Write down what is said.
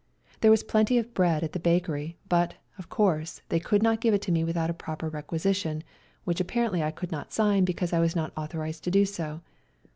There was plenty of bread at the bakery, but, of course, they could not give it to me without a proper requisition, which appa rently I could not sign because I was not authorised to do so.